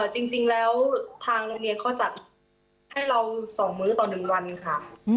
จริงแล้วทางเรียนเขาจัดให้เราสองมื้อต่อหนึ่งวันค่ะ